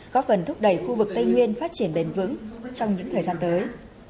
góp phần thúc đẩy khu vực tây nguyên phát triển bền vững trong những thời gian tới